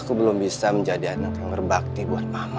aku belum bisa menjadi anak yang berbakti buat mama